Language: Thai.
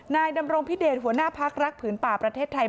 นายดำรงพิเดชหัวหน้าพักรักผืนป่าประเทศไทย